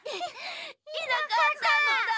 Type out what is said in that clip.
いなかったのだ。